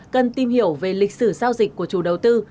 cần tìm hiểu về lịch sử giao dịch của chủ đầu tư